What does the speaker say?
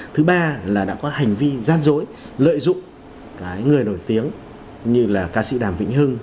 thứ ba là đã có hành vi gian dỗi lợi dụng người nổi tiếng như là ca sĩ đàm vĩnh hương